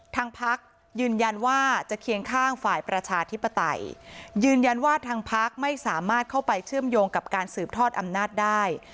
ทางพักยืนยันว่าจะเคียงข้างฝ่ายประชาธิปไตยยืนยันว่าทางพักไม่สามารถเข้าไปเชื่อมโยงกับการสืบทอดอำนาจได้